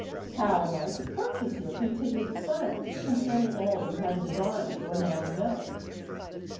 how am I to purchase your continued silence concerning all you have divined or now know?"